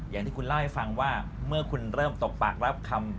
อย่างที่คุณเล่าให้ฟังว่าเมื่อคุณเริ่มตกปากรับคำ